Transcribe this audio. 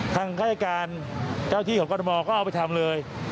ทางการแก้การเจ้าที่ของกรมมก็เอาไปทำเลย